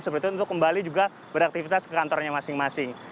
seperti itu untuk kembali juga beraktivitas ke kantornya masing masing